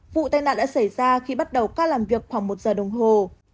vụ tai nạn đã xảy ra khi bắt đầu ca làm việc khoảng một giờ đồng hồ